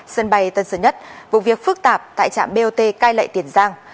sân bay tân sơn nhất vụ việc phức tạp tại trạm bot cai lệ tiền giang